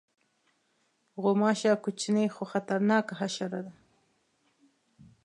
غوماشه کوچنۍ خو خطرناکه حشره ده.